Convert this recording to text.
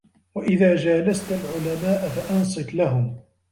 وَإِذَا جَالَسْت الْعُلَمَاءَ فَأَنْصِتْ لَهُمْ